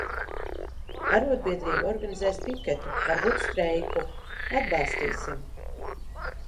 Arodbiedrība organizēs piketu, varbūt streiku. Atbalstīsim!